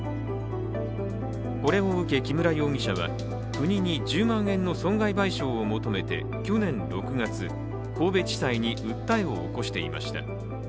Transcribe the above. これを受け木村容疑者は国に１０万円の損害賠償を求めて去年６月、神戸地裁に訴えを起こしていました。